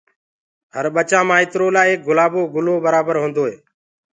هر ٻچآ ٻآئترو لآ ايڪ گُلآبو گُلو برآبر هوندوئي